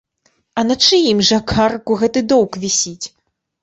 А на чыім жа карку гэты доўг вісіць?